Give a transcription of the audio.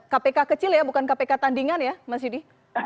kpk kecil ya bukan kpk tandingan ya mas yudi